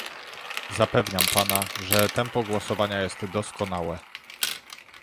Zapewniam pana, że tempo głosowania jest doskonałe